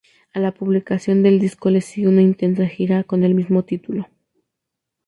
A la publicación del disco le sigue una intensiva gira con el mismo título.